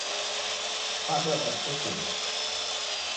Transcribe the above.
Kifado wadadisekesha.